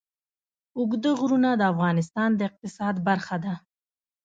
اوږده غرونه د افغانستان د اقتصاد برخه ده.